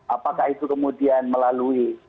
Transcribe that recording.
apakah itu kemudian melalui